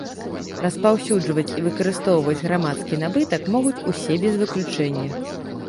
Распаўсюджваць і выкарыстоўваць грамадскі набытак могуць усе без выключэння.